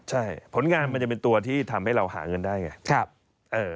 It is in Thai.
ใช่ผลงานมันจะเป็นตัวที่ทำให้เราหาเงินได้ไง